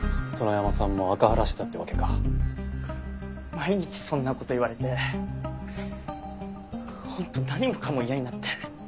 毎日そんな事言われて本当何もかも嫌になって。